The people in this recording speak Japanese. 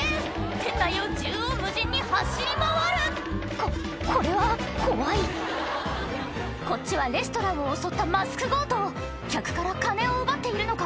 店内を縦横無尽に走り回るここれは怖いこっちはレストランを襲ったマスク強盗客から金を奪っているのか？